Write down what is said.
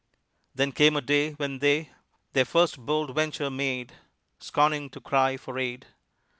Then came a day when they Their first bold venture made, Scorning to cry for aid.